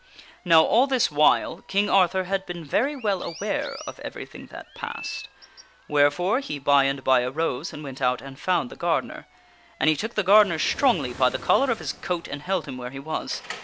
Now all this while King Arthur had been very well aware of everything that passed ; wherefore he by and by arose and went out and found the gardener. And he took the gardener strongly by the collar of his coat and held him where he was.